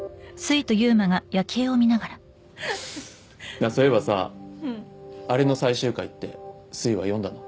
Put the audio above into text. なあそういえばさあれの最終回ってすいは読んだの？